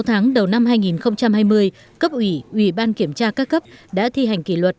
sáu tháng đầu năm hai nghìn hai mươi cấp ủy ủy ban kiểm tra các cấp đã thi hành kỷ luật